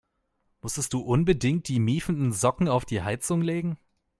Musstest du unbedingt die miefenden Socken auf die Heizung legen?